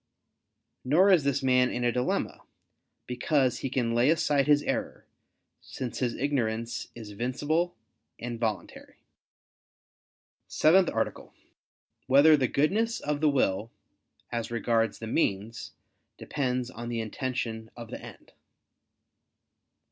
Nor is this man in a dilemma: because he can lay aside his error, since his ignorance is vincible and voluntary. ________________________ SEVENTH ARTICLE [I II, Q. 19, Art. 7] Whether the Goodness of the Will, As Regards the Means, Depends on the Intention of the End?